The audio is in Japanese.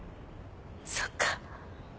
そっか。